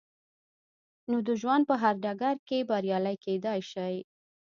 نو د ژوند په هر ډګر کې بريالي کېدای شئ.